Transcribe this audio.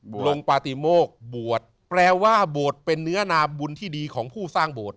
บวชโรงปฏิโมกบวชแปลว่าบวชเป็นเนื้อนาบุญที่ดีของผู้สร้างบวช